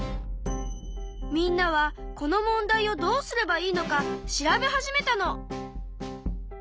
みんなはこの問題をどうすればいいのか調べ始めたの。